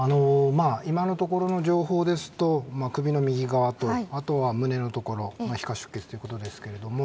今のところの情報ですと首の右側と、あとは胸のところの皮下出血ということですけれども。